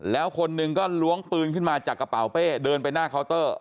แล้วคนหนึ่งก็ล้วงปืนขึ้นมาจากกระเป๋าเป้เดินไปหน้าเคาน์เตอร์